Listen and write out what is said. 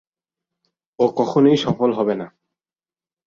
ও কখনোই সফল হবে না।